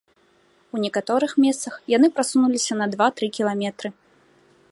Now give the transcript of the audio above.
У некаторых месцах яны прасунуліся на два-тры кіламетры.